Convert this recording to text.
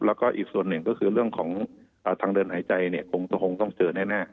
แล้วก็อีกส่วนหนึ่งก็คือเรื่องของทางเดินหายใจเนี่ยคงต้องเจอแน่